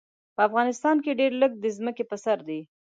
په افغانستان کې ډېر لږ د ځمکې په سر دي.